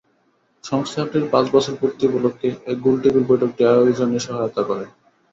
সংস্থাটির পাঁচ বছর পূর্তি উপলক্ষে এ গোলটেবিল বৈঠকটি আয়োজনে সহায়তা করে।